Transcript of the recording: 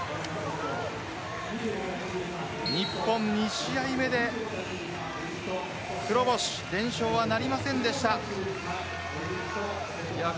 日本２試合目で黒星、連勝はなりませんでした。